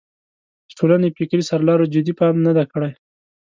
د ټولنې فکري سرلارو جدي پام نه دی کړی.